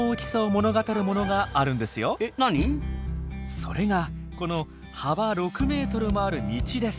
それがこの幅６ｍもある道です。